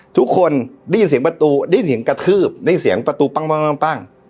ทุกคนได้ยินเสียงประตูได้ยินเสียงกระทืบได้ยินเสียงประตูปั้ง